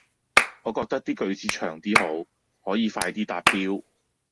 我覺得啲句子長啲好，可以快啲達標